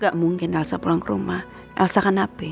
gak mungkin elsa pulang ke rumah elsa kan hp